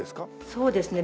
そうですね。